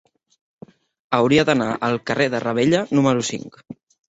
Hauria d'anar al carrer de Ravella número cinc.